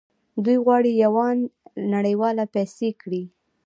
دوی غواړي یوان نړیواله پیسې کړي.